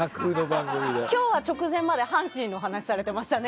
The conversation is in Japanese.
今日は直前まで阪神の話をされていましたね。